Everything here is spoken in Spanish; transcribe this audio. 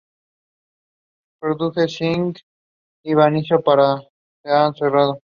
Todas, excepto la "auricular posterior", nacen visibles en el triángulo carotídeo.